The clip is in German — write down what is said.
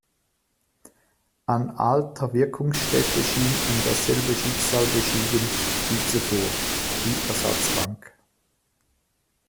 An alter Wirkungsstätte schien ihm dasselbe Schicksal beschieden wie zuvor, die Ersatzbank.